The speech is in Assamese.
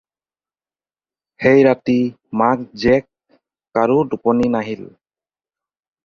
সেই ৰাতি মাক-জীয়েক কাৰো টোপনি নাহিল।